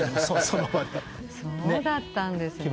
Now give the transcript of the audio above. そうだったんですね。